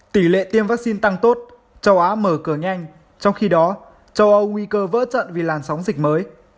tỷ lệ tiêm vaccine tăng tốt châu á mở cửa nhanh trong khi đó châu âu nguy cơ vỡ trận vì làn sóng dịch mới